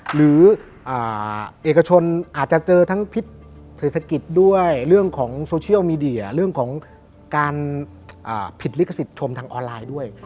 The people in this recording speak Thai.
หรือเอกชนอาจจะเจอทั้งพิษเศรษฐกิจด้วยเรื่องของโซเชียลมีเดียเรื่องของการผิดลิขสิทธิ์ชมทางออนไลน์ด้วย